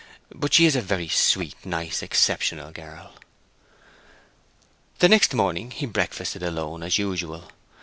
"But she's a very sweet, nice, exceptional girl." The next morning he breakfasted alone, as usual.